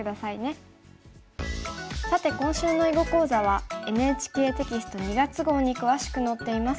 さて今週の囲碁講座はＮＨＫテキスト２月号に詳しく載っています。